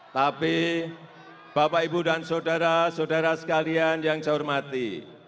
tapi bapak ibu dan saudara saudara sekalian yang saya hormati